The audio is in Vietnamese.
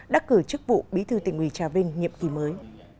đắc cử chức vụ bí thư tỉnh ủy trà vinh nhiệm kỳ mới